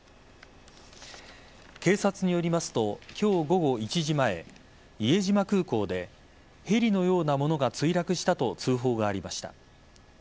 警察によりますと今日午後１時前伊江島空港でヘリのようなものが墜落したと通報がありました。